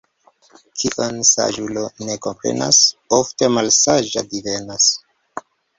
Kion saĝulo ne komprenas, ofte malsaĝa divenas.